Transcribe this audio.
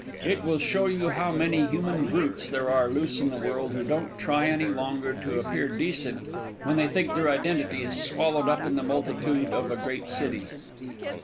It will show you how many human brutes there are loose in the world who don't try any longer to appear decent when they think their identity is swallowed up in the multitude of a great city.